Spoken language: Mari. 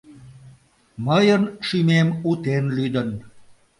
Мыйын шӱмем утен лӱдын.